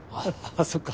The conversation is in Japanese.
あそっか。